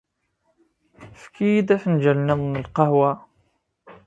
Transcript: Efk-iyi-d afenǧal nniḍen n lqahwa.